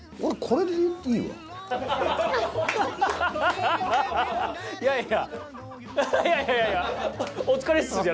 これでいい。